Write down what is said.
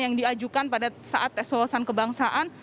yang diajukan pada saat tes wawasan kebangsaan